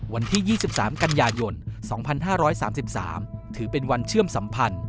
วันที่๒๓กันยายน๒๕๓๓ถือเป็นวันเชื่อมสัมพันธ์